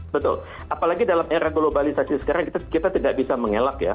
betul apalagi dalam era globalisasi sekarang kita tidak bisa mengelak ya